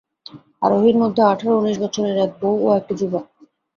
আরোহীর মধ্যে আঠারো-উনিশ বৎসরের এক বৌ ও একটি যুবক।